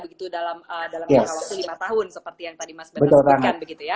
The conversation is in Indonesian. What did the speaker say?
begitu dalam lima tahun seperti yang tadi mas bernard sebutkan